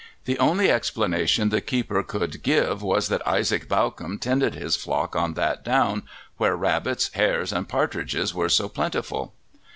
The only explanation the keeper could give was that Isaac Bawcombe tended his flock on that down where rabbits, hares, and partridges were so plentiful.